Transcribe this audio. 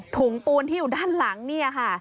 ปูนที่อยู่ด้านหลังเนี่ยค่ะ